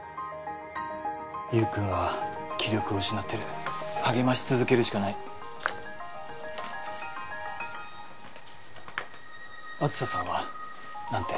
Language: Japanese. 優君は気力を失ってる励まし続けるしかない梓さんは何て？